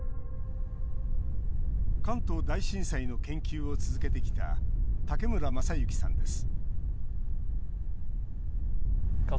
関東大震災の研究を続けてきた武村雅之さんです